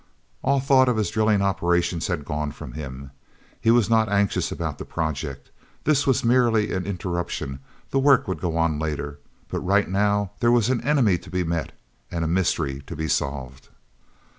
All thought of his drilling operations had gone from him. He was not anxious about the project. This was merely an interruption; the work would go on later. But right now there was an enemy to be met and a mystery to be solved.